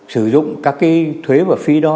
sử dụng các cái thuế và phí đó